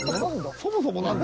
そもそもなんだ？